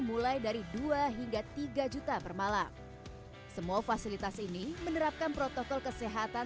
mulai dari dua hingga tiga juta per malam semua fasilitas ini menerapkan protokol kesehatan